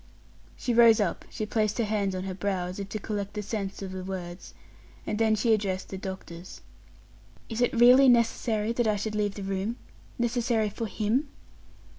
She rose up; she placed her hands on her brow, as if to collect the sense of the words, and then she addressed the doctors, "Is it really necessary that I should leave the room necessary for him?"